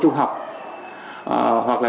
trung học hoặc là